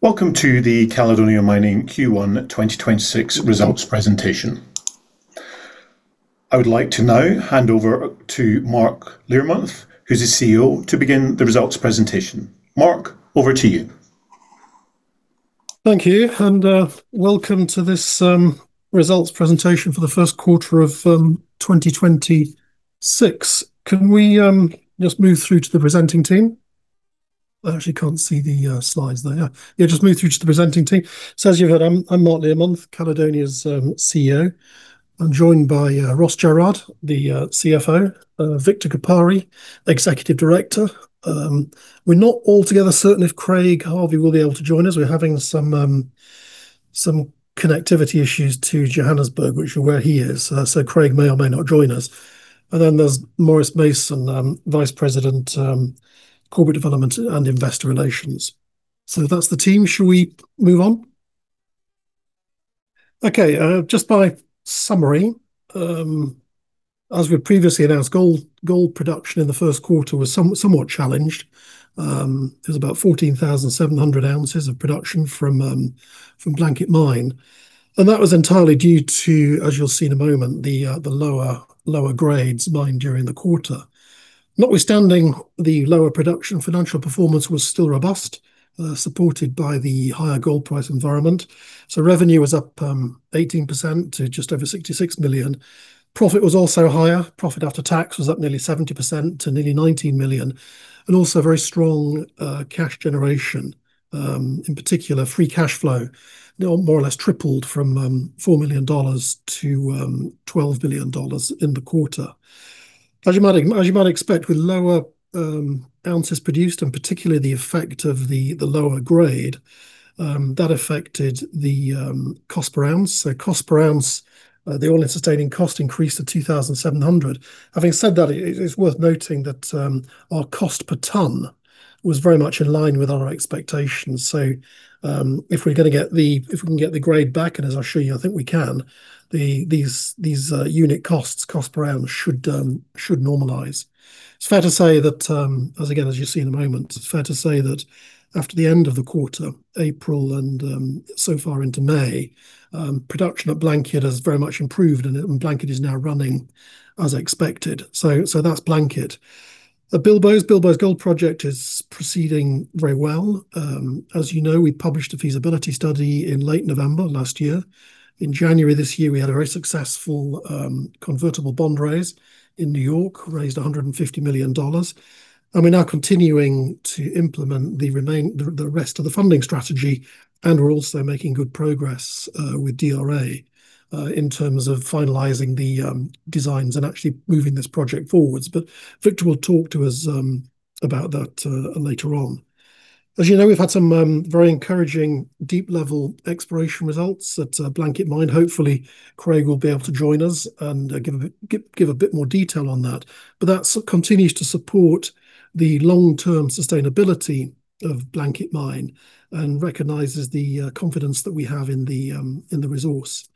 Welcome to the Caledonia Mining Q1 2026 results presentation. I would like to now hand over to Mark Learmonth, who's the CEO, to begin the results presentation. Mark, over to you. Thank you. Welcome to this results presentation for the first quarter of 2026. Can we just move through to the presenting team? I actually can't see the slides there. Just move through to the presenting team. As you heard, I'm Mark Learmonth, Caledonia's CEO. I'm joined by Ross Jerrard, the CFO, Victor Gapare, Executive Director. We're not altogether certain if Craig Harvey will be able to join us. We're having some connectivity issues to Johannesburg, which is where he is. Craig may or may not join us. There's Maurice Mason, Vice President, Corporate Development and Investor Relations. That's the team. Shall we move on? Okay. Just by summary, as we previously announced, gold production in the 1st quarter was somewhat challenged. It was about 14,700 ounces of production from Blanket Mine, and that was entirely due to, as you'll see in a moment, the lower grades mined during the quarter. Notwithstanding the lower production, financial performance was still robust, supported by the higher gold price environment. Revenue was up 18% to just over $66 million. Profit was also higher. Profit after tax was up nearly 70% to nearly $19 million, and also very strong cash generation. In particular, free cash flow, more or less tripled from $4 million to $12 million in the quarter. As you might expect with lower ounces produced, and particularly the effect of the lower grade, that affected the cost per ounce. Cost per ounce, the all-in sustaining cost increased to $2,700. Having said that, it's worth noting that our cost per ton was very much in line with our expectations. If we can get the grade back, and as I'll show you, I think we can, these unit costs, cost per ounce should normalize. It's fair to say that, as again, as you'll see in a moment, it's fair to say that after the end of the quarter, April and so far into May, production at Blanket has very much improved and Blanket is now running as expected. That's Blanket. The Bilboes Gold Project is proceeding very well. As you know, we published a feasibility study in late November last year. In January this year, we had a very successful convertible bond raise in New York, raised $150 million. We're now continuing to implement the rest of the funding strategy, and we're also making good progress with DRA in terms of finalizing the designs and actually moving this project forwards. Victor will talk to us about that later on. As you know, we've had some very encouraging deep-level exploration results at Blanket Mine. Hopefully, Craig will be able to join us and give a bit more detail on that. That sort of continues to support the long-term sustainability of Blanket Mine and recognizes the confidence that we have in the resource.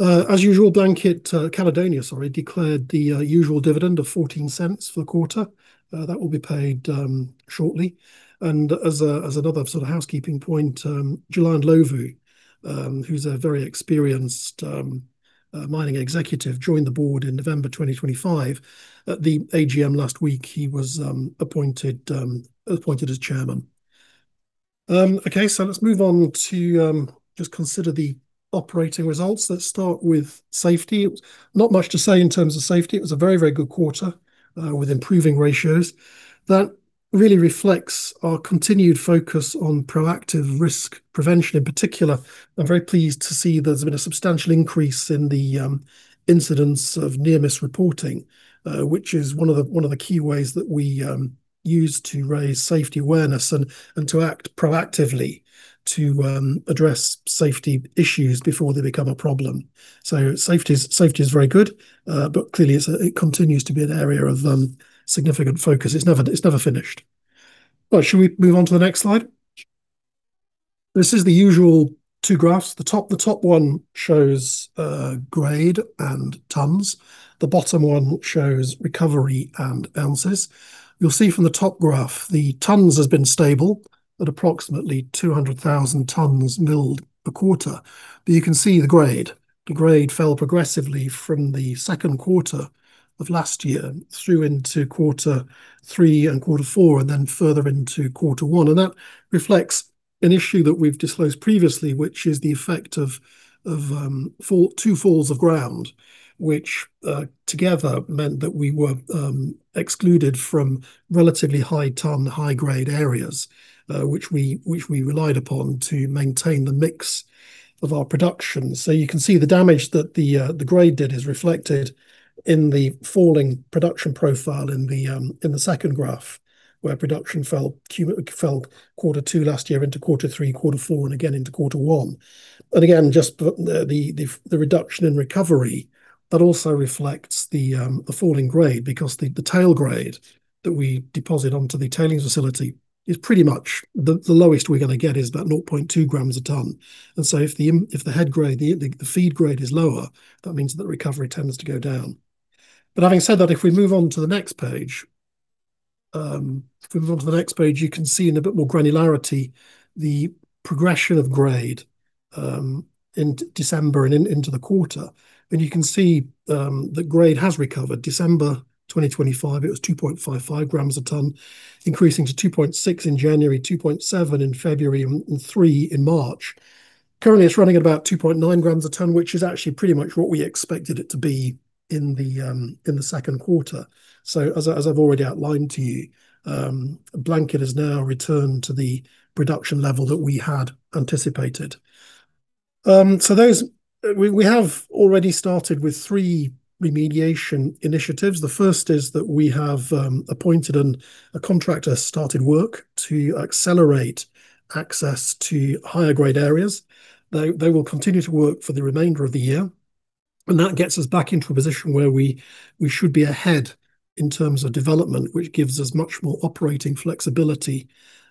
As usual, Blanket, Caledonia, sorry, declared the usual dividend of $0.14 for the quarter. That will be paid shortly. As a, as another sort of housekeeping point, July Ndlovu, who's a very experienced mining executive, joined the board in November 2025. At the AGM last week, he was appointed as Chairman. Okay, let's move on to just consider the operating results. Let's start with safety. Not much to say in terms of safety. It was a very, very good quarter with improving ratios. That really reflects our continued focus on proactive risk prevention in particular. I'm very pleased to see there's been a substantial increase in the incidents of near-miss reporting, which is one of the key ways that we use to raise safety awareness and to act proactively to address safety issues before they become a problem. Safety is very good, but clearly, it continues to be an area of significant focus. It's never finished. Well, should we move on to the next slide? This is the usual two graphs. The top one shows grade and tonnes. The bottom one shows recovery and ounces. You'll see from the top graph, the tonnes has been stable at approximately 200,000 tonnes milled a quarter. You can see the grade. The grade fell progressively from the second quarter of last year through into quarter three and quarter four and then further into quarter one. That reflects an issue that we've disclosed previously, which is the effect of, two falls of ground, which together meant that we were excluded from relatively high ton, high grade areas, which we relied upon to maintain the mix of our production. You can see the damage that the the grade did is reflected in the falling production profile in the in the second graph, where production fell quarter two last year into quarter three, quarter four, and again into quarter one. Just the reduction in recovery, that also reflects the falling grade because the tail grade that we deposit onto the tailings facility is pretty much the lowest we're going to get is about 0.2 grams a ton. If the head grade, the feed grade is lower, that means that recovery tends to go down. If we move on to the next page, you can see in a bit more granularity the progression of grade in December and into the quarter. You can see that grade has recovered. December 2025, it was 2.55 grams a ton, increasing to 2.6 in January, 2.7 in February, and 3 in March. Currently, it's running at about 2.9 grams a ton, which is actually pretty much what we expected it to be in the second quarter. As I've already outlined to you, Blanket has now returned to the production level that we had anticipated. We have already started with three remediation initiatives. The first is that we have appointed and a contractor started work to accelerate access to higher grade areas. They will continue to work for the remainder of the year, and that gets us back into a position where we should be ahead in terms of development, which gives us much more operating flexibility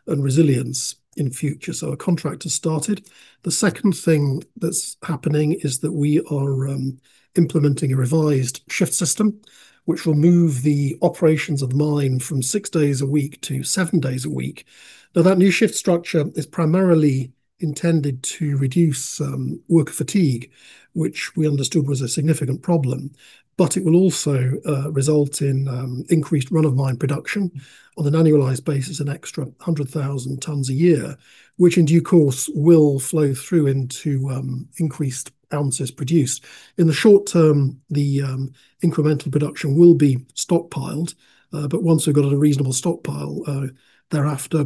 and resilience in future. A contractor started. The second thing that's happening is that we are implementing a revised shift system, which will move the operations of the mine from six days a week to seven days a week. That new shift structure is primarily intended to reduce worker fatigue, which we understood was a significant problem. It will also result in increased run-of-mine production on an annualized basis, an extra 100,000 tons a year, which in due course will flow through into increased ounces produced. In the short term, the incremental production will be stockpiled. Once we've got a reasonable stockpile, thereafter,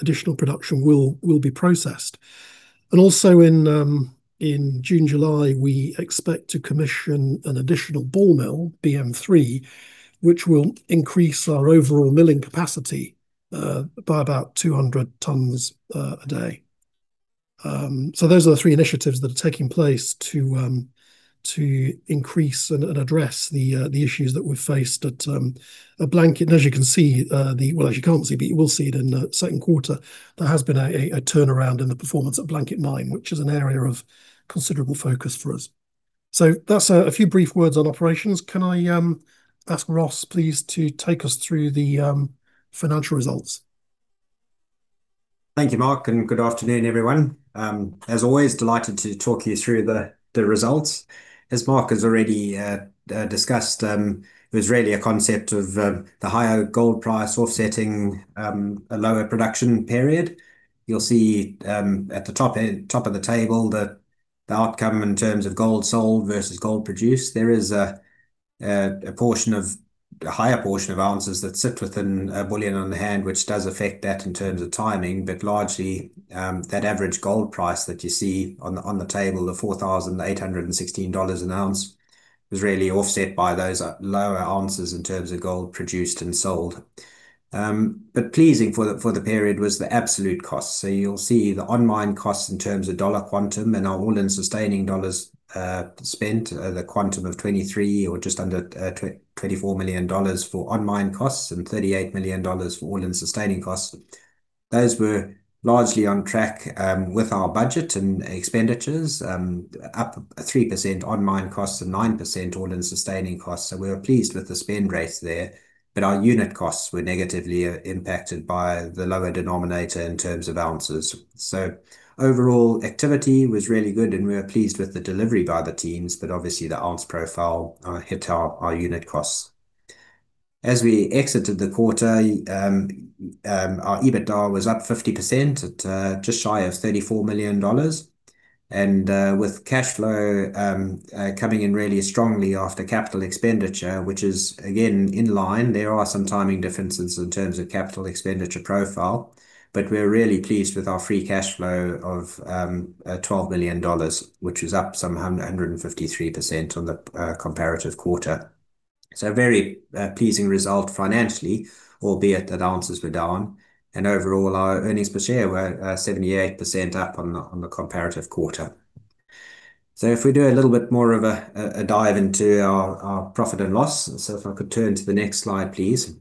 additional production will be processed. Also in June, July, we expect to commission an additional ball mill, BM3, which will increase our overall milling capacity by about 200 tons a day. Those are the three initiatives that are taking place to increase and address the issues that we've faced at Blanket. As you can see, as you can't see, but you will see it in the second quarter, there has been a turnaround in the performance at Blanket Mine, which is an area of considerable focus for us. That's a few brief words on operations. Can I ask Ross please to take us through the financial results? Thank you, Mark. Good afternoon, everyone. As always delighted to talk you through the results. As Mark has already discussed, it was really a concept of the higher gold price offsetting a lower production period. You'll see at the top of the table the outcome in terms of gold sold versus gold produced. There is a portion of a higher portion of ounces that sit within bullion on the hand, which does affect that in terms of timing. Largely, that average gold price that you see on the table, the $4,816 an ounce, was really offset by those lower ounces in terms of gold produced and sold. Pleasing for the period was the absolute cost. You'll see the on-mine costs in terms of dollar quantum and our all-in sustaining dollars spent, the quantum of 23 or just under $24 million for on-mine costs and $38 million for all-in sustaining costs. Those were largely on track with our budget and expenditures, up 3% on-mine costs and 9% all-in sustaining costs. We were pleased with the spend rates there. Our unit costs were negatively impacted by the lower denominator in terms of ounces. Overall activity was really good, and we were pleased with the delivery by the teams. Obviously, the ounce profile hit our unit costs. As we exited the quarter, our EBITDA was up 50% at just shy of $34 million. With cashflow coming in really strongly after capital expenditure, which is again in line. There are some timing differences in terms of capital expenditure profile. We're really pleased with our free cash flow of $12 million, which is up some 153% on the comparative quarter. A very pleasing result financially, albeit that ounces were down, and overall our earnings per share were 78% up on the comparative quarter. If we do a little bit more of a dive into our profit and loss. If I could turn to the next slide, please.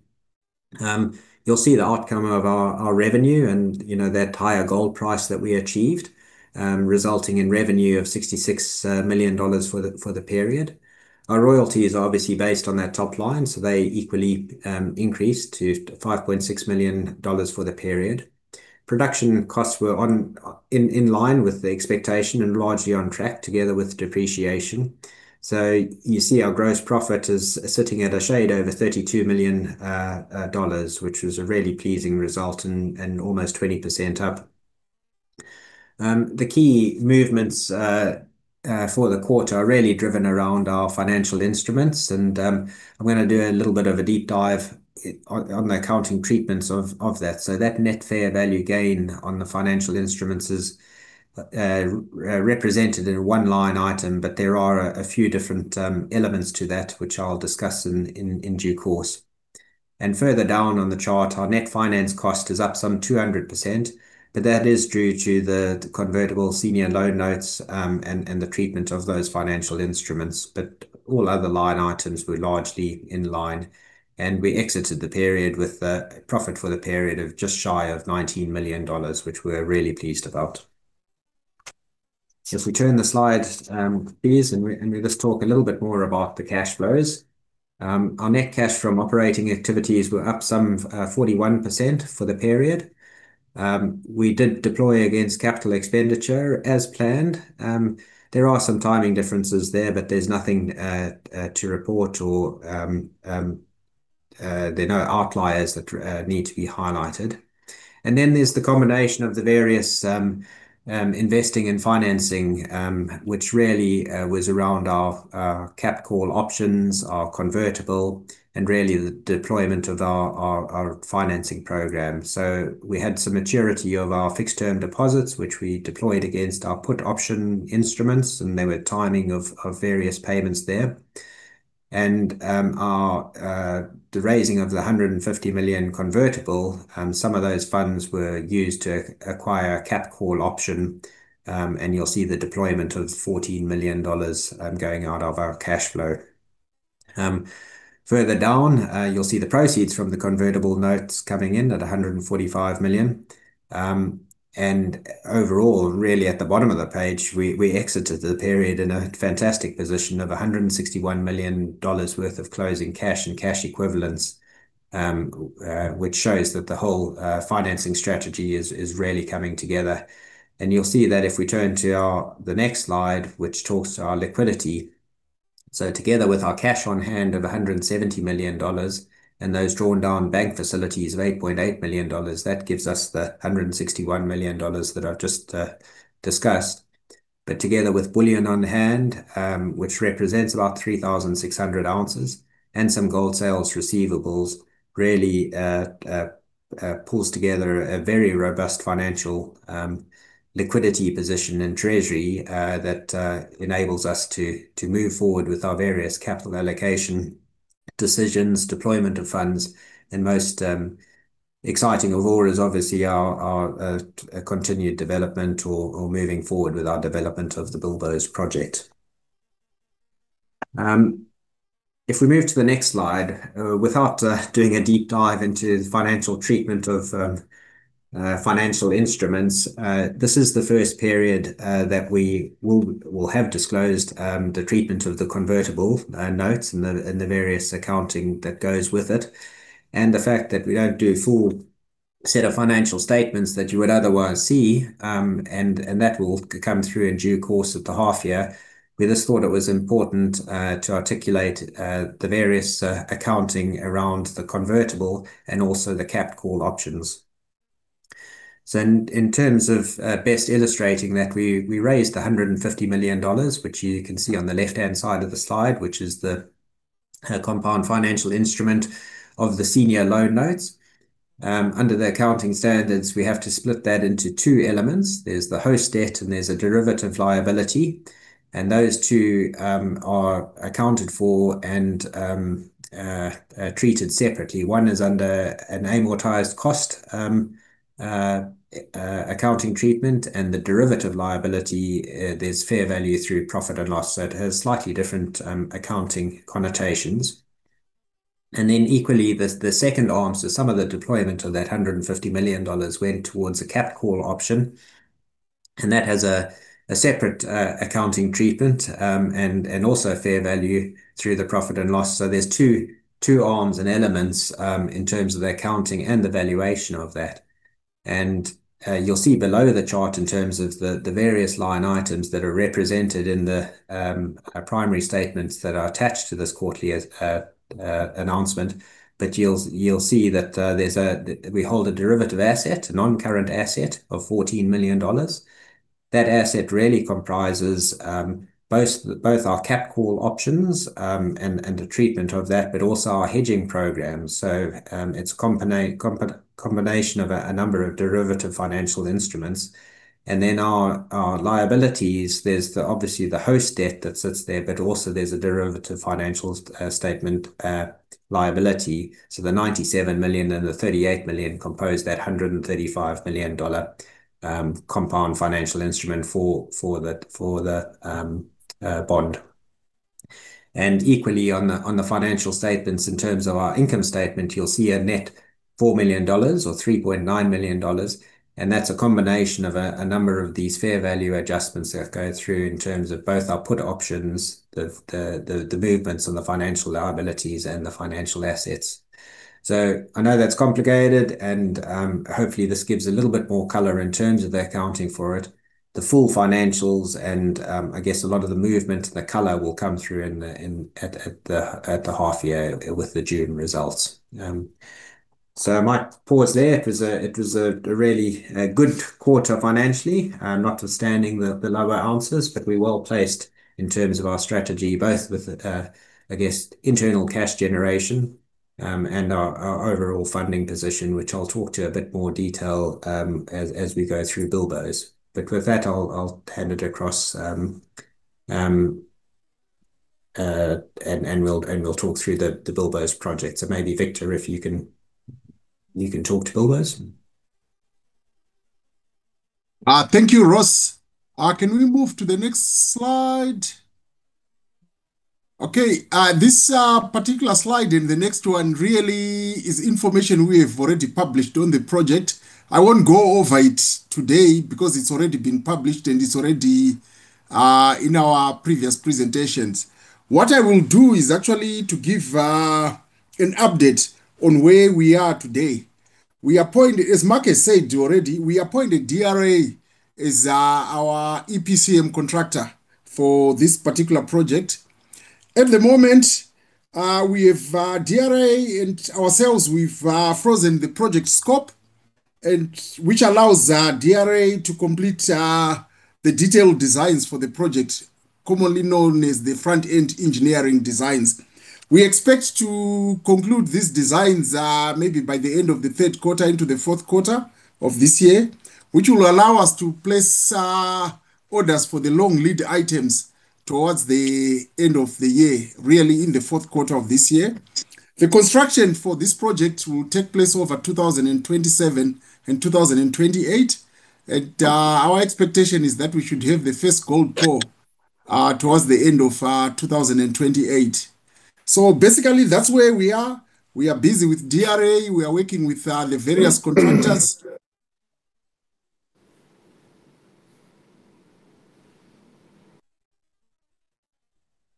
You'll see the outcome of our revenue and, you know, that higher gold price that we achieved, resulting in revenue of $66 million for the period. Our royalties are obviously based on that top line, so they equally increased to $5.6 million for the period. Production costs were on line with the expectation and largely on track together with depreciation. You see our gross profit is sitting at a shade over $32 million, which was a really pleasing result and almost 20% up. The key movements for the quarter are really driven around our financial instruments and I'm gonna do a little bit of a deep dive on the accounting treatments of that. That net fair value gain on the financial instruments is represented in a 1-line item, but there are a few different elements to that which I'll discuss in due course. Further down on the chart, our net finance cost is up 200%, but that is due to the convertible senior loan notes and the treatment of those financial instruments. All other line items were largely in line, and we exited the period with a profit for the period of just shy of $19 million, which we're really pleased about. If we turn the slide, please, and we just talk a little bit more about the cash flows. Our net cash from operating activities were up 41% for the period. We did deploy against capital expenditure as planned. There are some timing differences there, but there's nothing to report or there are no outliers that need to be highlighted. There's the combination of the various investing and financing, which really was around our capped call options, our convertible, and really the deployment of our financing program. We had some maturity of our fixed-term deposits, which we deployed against our put option instruments, and there were timing of various payments there. Our the raising of the $150 million convertible, some of those funds were used to acquire a capped call option. You'll see the deployment of $14 million going out of our cash flow. Further down, you'll see the proceeds from the convertible notes coming in at $145 million. Overall, really at the bottom of the page, we exited the period in a fantastic position of $161 million worth of closing cash and cash equivalents, which shows that the whole financing strategy is really coming together. You'll see that if we turn to our next slide, which talks to our liquidity. Together with our cash on hand of $170 million and those drawn down bank facilities of $8.8 million, that gives us the $161 million that I've just discussed. Together with bullion on hand, which represents about 3,600 ounces and some gold sales receivables, really pulls together a very robust financial liquidity position in treasury that enables us to move forward with our various capital allocation decisions, deployment of funds. Most exciting of all is obviously our continued development or moving forward with our development of the Bilboes project. If we move to the next slide, without doing a deep dive into the financial treatment of financial instruments, this is the first period that we will have disclosed the treatment of the convertible notes and the various accounting that goes with it. The fact that we don't do a full set of financial statements that you would otherwise see, and that will come through in due course at the half year. We just thought it was important to articulate the various accounting around the convertible and also the capped call options. In terms of best illustrating that, we raised $150 million, which you can see on the left-hand side of the slide, which is the compound financial instrument of the senior loan notes. Under the accounting standards, we have to split that into two elements. There's the host debt, and there's a derivative liability. Those two are accounted for and treated separately. One is under an amortized cost accounting treatment, the derivative liability, there's fair value through profit and loss. It has slightly different accounting connotations. Equally, the second arm, some of the deployment of that $150 million went towards a capped call option, that has a separate accounting treatment, also a fair value through profit and loss. There's two arms and elements in terms of the accounting and the valuation of that. You'll see below the chart in terms of the various line items that are represented in the primary statements that are attached to this quarterly announcement. You'll see that there's a we hold a derivative asset, a non-current asset of $14 million. That asset really comprises both our capped call options and the treatment of that, but also our hedging program. It's a combination of a number of derivative financial instruments. Our liabilities, there's the, obviously, the host debt that sits there, but also there's a derivative financial statement liability. The $97 million and the $38 million compose that $135 million compound financial instrument for the bond. Equally on the financial statements in terms of our income statement, you'll see a net $4 million or $3.9 million, and that's a combination of a number of these fair value adjustments that go through in terms of both our put options, the movements on the financial liabilities and the financial assets. I know that's complicated and hopefully this gives a little bit more color in terms of the accounting for it. The full financials and I guess a lot of the movement and the color will come through at the half year with the June results. I might pause there. It was a really good quarter financially, notwithstanding the lower ounces. We're well-placed in terms of our strategy, both with, I guess, internal cash generation, and our overall funding position, which I'll talk to a bit more detail, as we go through Bilboes. With that, I'll hand it across, and we'll talk through the Bilboes project. So maybe Victor, if you can talk to Bilboes. Thank you, Ross. Can we move to the next slide? Okay. This particular slide and the next one really is information we have already published on the project. I won't go over it today because it's already been published and it's already in our previous presentations. What I will do is actually to give an update on where we are today. We appointed, as Mark has said already, DRA as our EPCM contractor for this particular project. At the moment, we have DRA and ourselves, we've frozen the project scope and which allows DRA to complete the detailed designs for the project, commonly known as the front-end engineering design. We expect to conclude these designs, maybe by the end of the third quarter into the fourth quarter of this year, which will allow us to place orders for the long lead items towards the end of the year, really in the fourth quarter of this year. The construction for this project will take place over 2027 and 2028, our expectation is that we should have the first gold pour towards the end of 2028. Basically, that's where we are. We are busy with DRA. We are working with the various contractors.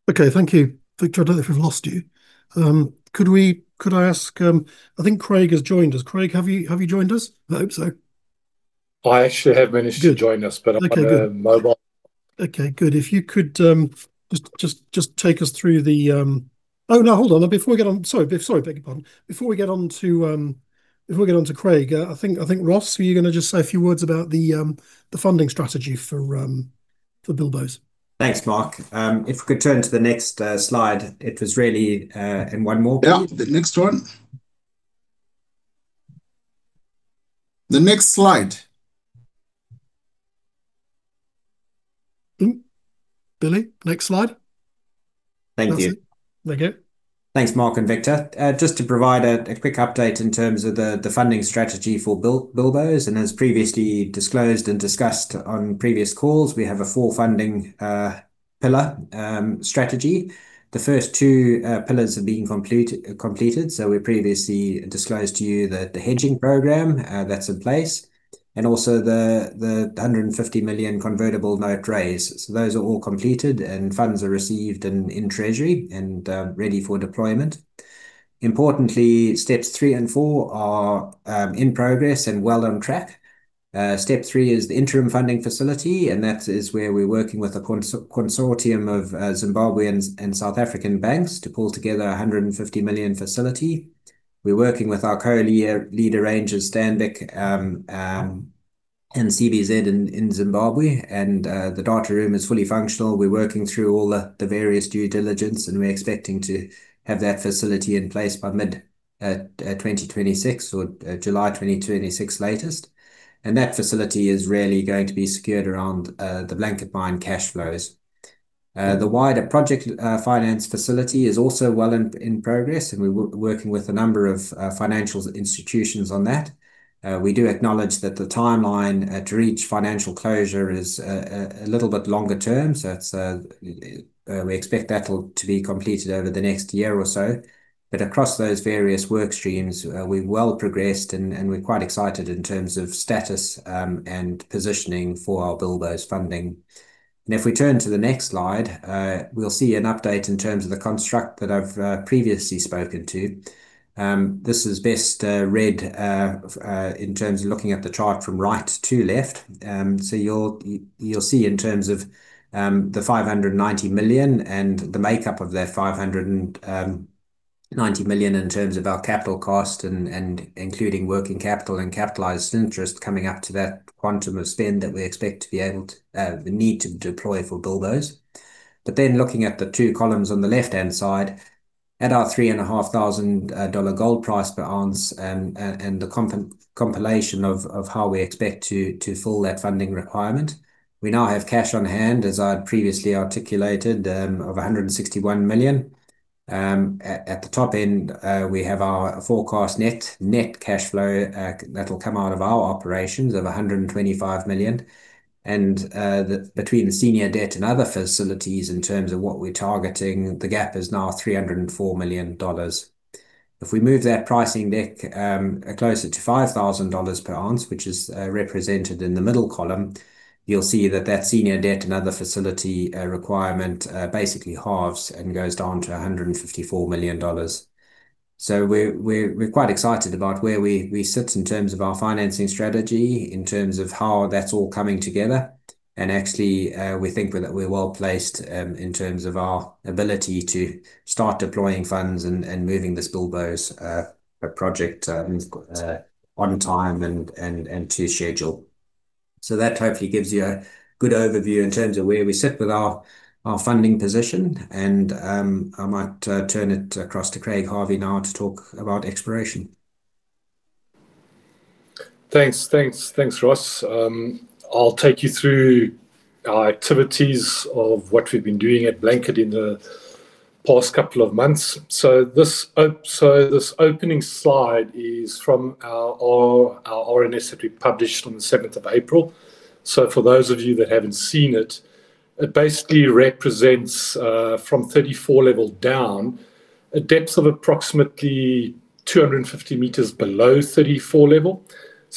Okay. Thank you. Victor, I don't know if we've lost you. Could I ask, I think Craig has joined us. Craig, have you joined us? I hope so. I actually have managed. Good to join us, but. Okay, good. on a mobile. Okay, good. If you could, just take us through the. Hold on. Beg your pardon. Before we get on to Craig, I think, Ross, were you gonna just say a few words about the funding strategy for Bilboes? Thanks, Mark. If we could turn to the next slide, it was really, and one more please. Yeah. The next one. The next slide. Billy, next slide. Thank you. That's it. Thank you. Thanks, Mark Learmonth and Victor Gapare. Just to provide a quick update in terms of the funding strategy for Bilboes, as previously disclosed and discussed on previous calls, we have a four-funding pillar strategy. The first two pillars have been completed. We previously disclosed to you the hedging program that's in place, also the $150 million convertible note raise. Those are all completed and funds are received in treasury and ready for deployment. Importantly, steps three and four are in progress and well on track. Step three is the interim funding facility, and that is where we're working with a consortium of Zimbabwean and South African banks to pull together a $150 million facility. We're working with our co-leader, arranger Stanbic, and CBZ in Zimbabwe. The data room is fully functional. We're working through all the various due diligence, and we're expecting to have that facility in place by mid 2026 or July 2026 latest. That facility is really going to be skewed around the Blanket Mine cash flows. The wider project finance facility is also well in progress. We're working with a number of financial institutions on that. We do acknowledge that the timeline to reach financial closure is a little bit longer term. That'll be completed over the next year or so. Across those various work streams, we're well progressed and we're quite excited in terms of status and positioning for our Bilboes funding. If we turn to the next slide, we'll see an update in terms of the construct that I've previously spoken to. This is best read in terms of looking at the chart from right to left. You'll see in terms of the $590 million and the makeup of that $590 million in terms of our capital cost and including working capital and capitalized interest coming up to that quantum of spend that we expect to be able to the need to deploy for Bilboes. Looking at the two columns on the left-hand side, at our $3,500 gold price per ounce and the compilation of how we expect to fill that funding requirement. We now have cash on hand, as I had previously articulated, of $161 million. At the top end, we have our forecast net cash flow that will come out of our operations of $125 million. Between the senior debt and other facilities in terms of what we're targeting, the gap is now $304 million. If we move that pricing deck closer to $5,000 per ounce, which is represented in the middle column, you'll see that that senior debt and other facility requirement basically halves and goes down to $154 million. We're quite excited about where we sit in terms of our financing strategy, in terms of how that's all coming together. Actually, we think we're well-placed in terms of our ability to start deploying funds and moving this Bilboes project on time and to schedule. That hopefully gives you a good overview in terms of where we sit with our funding position. I might turn it across to Craig Harvey now to talk about exploration. Thanks, Ross. I'll take you through our activities of what we've been doing at Blanket in the past couple of months. This opening slide is from our RNS that we published on the 7th of April. For those of you that haven't seen it basically represents from 34 level down, a depth of approximately 250 meters below 34 level.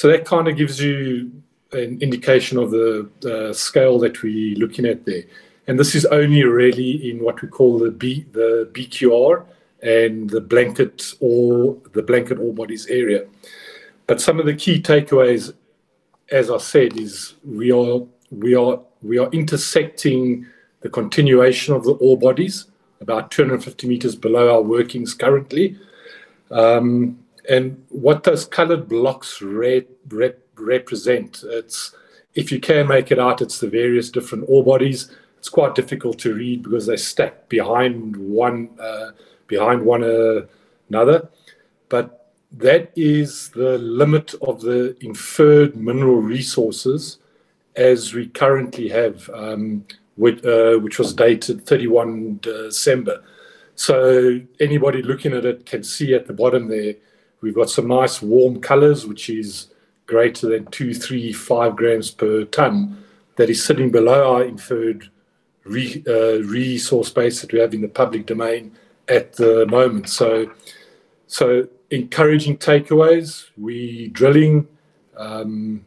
That kind of gives you an indication of the scale that we're looking at there. This is only really in what we call the BQR and the Blanket ore bodies area. Some of the key takeaways, as I said, is we are intersecting the continuation of the ore bodies about 250 meters below our workings currently. What those colored blocks represent, if you can make it out, it's the various different ore bodies. It's quite difficult to read because they stack behind one another. That is the limit of the inferred mineral resources as we currently have, which was dated 31 December. Anybody looking at it can see at the bottom there, we've got some nice warm colors, which is greater than 2, 3, 5 grams per ton that is sitting below our inferred resource base that we have in the public domain at the moment. Encouraging takeaways. We drilling, the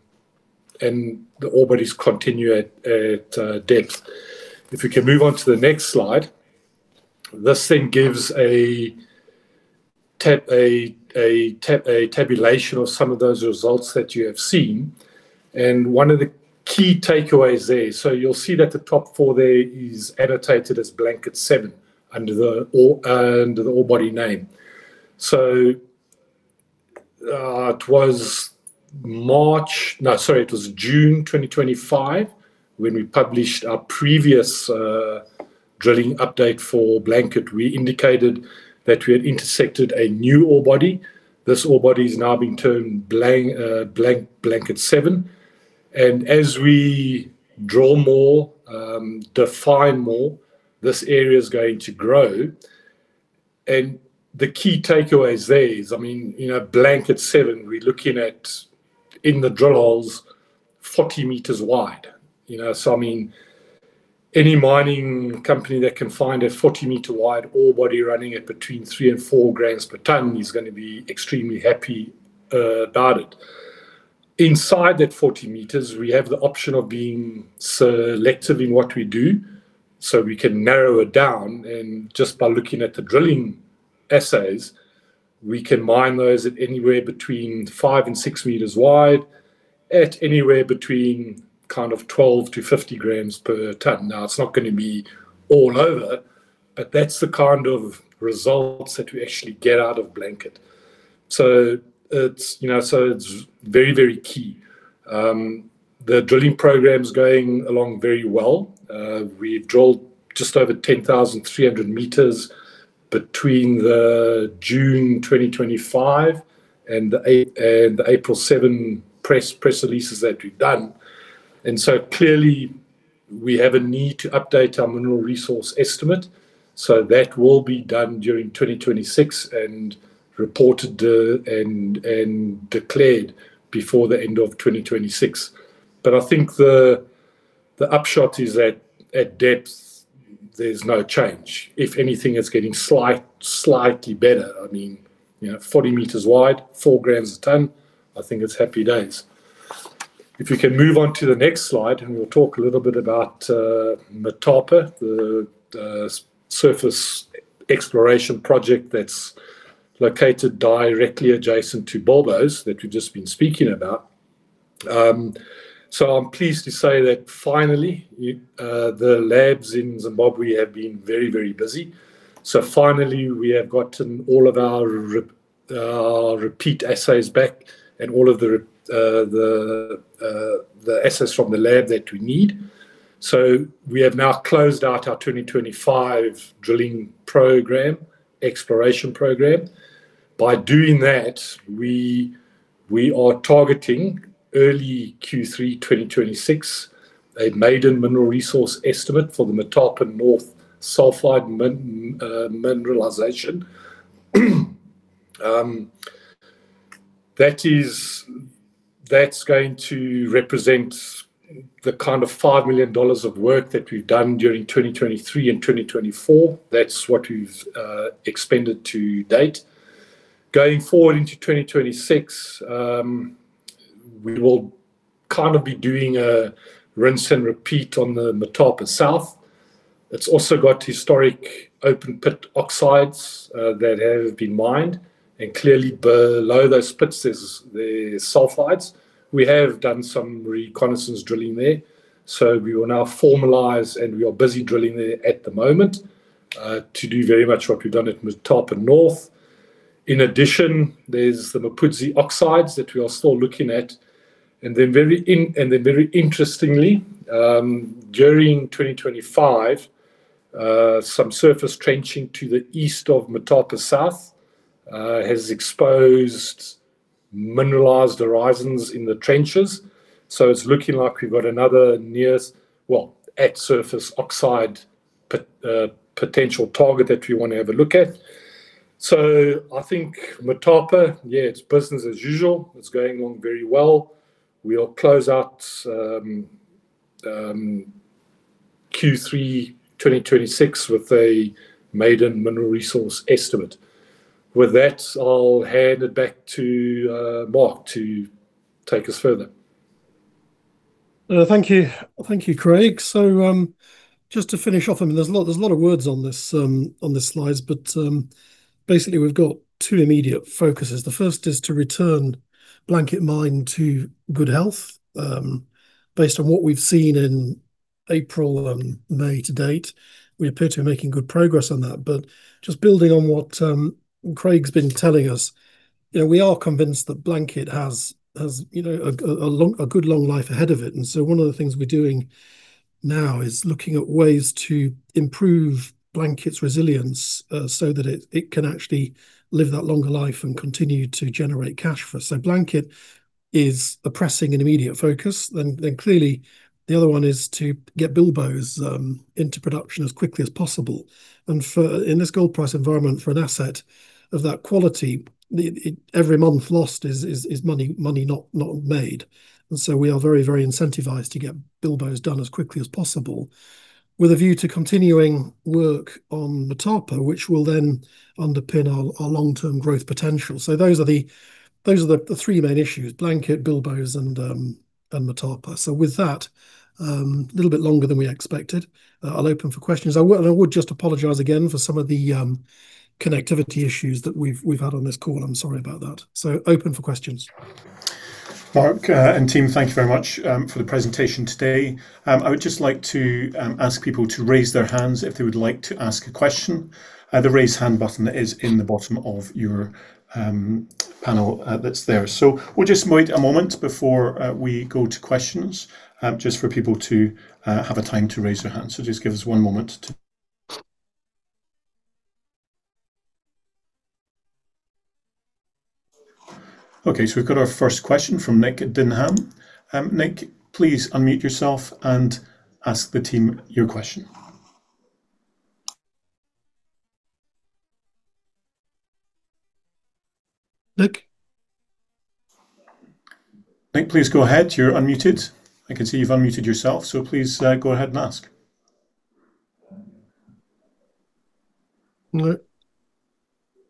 ore bodies continue at depth. If you can move on to the next slide. This thing gives a tabulation of some of those results that you have seen. One of the key takeaways there. You'll see that the top four there is annotated as Blanket 7 under the ore body name. It was March, no, sorry, it was June 2025, when we published our previous drilling update for Blanket. We indicated that we had intersected a new ore body. This ore body is now being termed Blanket 7. As we drill more, define more, this area is going to grow. The key takeaway is there is, I mean, you know, Blanket 7, we're looking at in the drill holes 40 meters wide. You know, I mean, any mining company that can find a 40-m wide ore body running at between 3 and 4 g/t is gonna be extremely happy about it. Inside that 40 m, we have the option of being selective in what we do. We can narrow it down, and just by looking at the drilling assays, we can mine those at anywhere between 5 and 6 m wide, at anywhere between kind of 12 to 50 g/t. It's not gonna be all over, but that's the kind of results that we actually get out of Blanket. It's, you know, very, very key. The drilling program's going along very well. We drilled just over 10,300 m between the June 2025 and the April 7 press releases that we've done. Clearly we have a need to update our mineral resource estimate. That will be done during 2026 and reported and declared before the end of 2026. I think the upshot is that at depth there's no change. If anything, it's getting slightly better. I mean, you know, 40 meters wide, 4 grams a ton, I think it's happy days. If you can move on to the next slide, and we'll talk a little bit about Motapa, the surface exploration project that's located directly adjacent to Bilboes that we've just been speaking about. I'm pleased to say that finally, the labs in Zimbabwe have been very busy. Finally, we have gotten all of our repeat assets back and all of the assets from the lab that we need. We have now closed out our 2025 drilling program, exploration program. By doing that, we are targeting early Q3 2026, a maiden mineral resource estimate for the Motapa North sulfide mineralization. That's going to represent the kind of $5 million of work that we've done during 2023 and 2024. That's what we've expended to date. Going forward into 2026, we will kind of be doing a rinse and repeat on the Motapa North. It's also got historic open pit oxides that have been mined. Clearly below those pits there's sulfides. We have done some reconnaissance drilling there. We will now formalize, and we are busy drilling there at the moment, to do very much what we've done at Motapa North. In addition, there's the Motapa oxides that we are still looking at. Very interestingly, during 2025. Some surface trenching to the east of Motapa South has exposed mineralized horizons in the trenches. It's looking like we've got another near well, at-surface oxide potential target that we wanna have a look at. I think Motapa, yeah, it's business as usual. It's going on very well. We'll close out Q3 2026 with a maiden mineral resource estimate. With that, I'll hand it back to Mark to take us further. Thank you. Thank you, Craig. Just to finish off. I mean, there's a lot of words on this slides, basically we've got two immediate focuses. The first is to return Blanket Mine to good health. Based on what we've seen in April and May to date, we appear to be making good progress on that. Just building on what Craig's been telling us, you know, we are convinced that Blanket has, you know, a good long life ahead of it. One of the things we're doing now is looking at ways to improve Blanket's resilience, so that it can actually live that longer life and continue to generate cash for us. Blanket is a pressing and immediate focus. Clearly the other one is to get Bilboes into production as quickly as possible. For, in this gold price environment, for an asset of that quality, every month lost is money not made. We are very incentivized to get Bilboes done as quickly as possible with a view to continuing work on Motapa, which will then underpin our long-term growth potential. Those are the three main issues: Blanket, Bilboes and Motapa. With that, a little bit longer than we expected, I'll open for questions. I would just apologize again for some of the connectivity issues that we've had on this call. I'm sorry about that. Open for questions. Mark and team, thank you very much for the presentation today. I would just like to ask people to raise their hands if they would like to ask a question. The raise hand button is in the bottom of your panel that's there. We'll just wait a moment before we go to questions just for people to have a time to raise their hands. Just give us one moment to Okay. We've got our first question from Nick at Denham Capital. Nick, please unmute yourself and ask the team your question. Nick? Nick, please go ahead. You're unmuted. I can see you've unmuted yourself, so please go ahead and ask. No.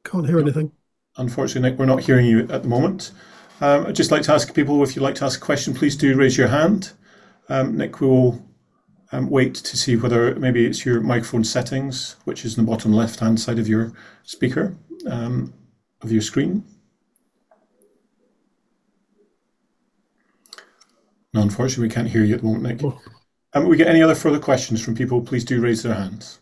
Can't hear anything. Unfortunately, Nick, we're not hearing you at the moment. I'd just like to ask people if you'd like to ask a question, please do raise your hand. Nick, we will wait to see whether maybe it's your microphone settings, which is in the bottom left-hand side of your speaker, of your screen. No, unfortunately we can't hear you at the moment, Nick. Oh. If we get any other further questions from people, please do raise their hands.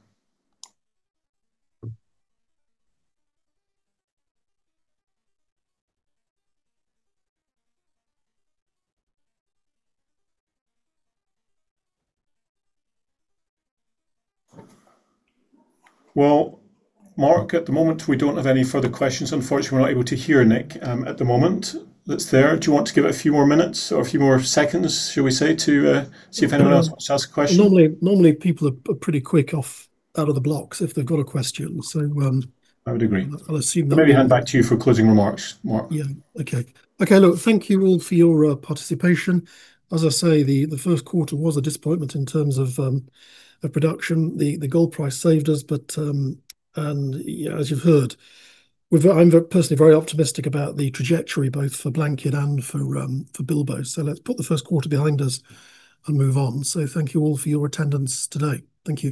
Well, Mark, at the moment we don't have any further questions. Unfortunately, we're not able to hear Nick at the moment. That's there. Do you want to give it a few more minutes or a few more seconds, shall we say, to see if anyone else wants to ask a question? Well, normally people are pretty quick off out of the blocks if they've got a question, so. I would agree. I'll assume that- Maybe hand back to you for closing remarks, Mark. Yeah. Okay. Okay. Look, thank you all for your participation. As I say, the first quarter was a disappointment in terms of production. The gold price saved us, but as you've heard, I'm personally very optimistic about the trajectory both for Blanket and for Bilboes. Let's put the first quarter behind us and move on. Thank you all for your attendance today. Thank you.